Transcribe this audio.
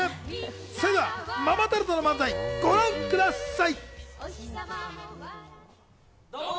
それではママタルトの漫才、ご覧ください。